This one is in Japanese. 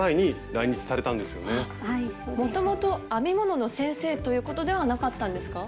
もともと編み物の先生ということではなかったんですか？